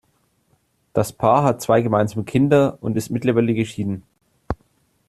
Das Paar hat zwei gemeinsame Kinder und ist mittlerweile geschieden.